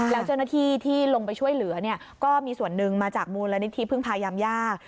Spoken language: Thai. แล้วเจ้าหน้าที่ที่ลงไปช่วยเหลือเนี่ยก็มีส่วนหนึ่งมาจากมูลนิธิพึ่งพายามย่า